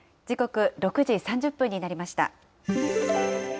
時刻６時３０分になりました。